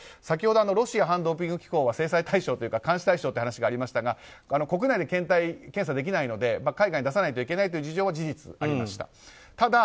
先ほどロシア反ドーピング機構は制裁対象というか監視対象という話がありましたが国内で検体の検査ができないので海外に出さないといけないという事情は事実ありました。